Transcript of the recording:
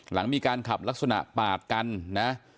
หลังมีการขับลักษณะปาดกันนะ